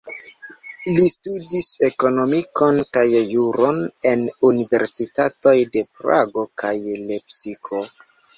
Li studis ekonomikon kaj juron en universitatoj de Prago kaj Lepsiko.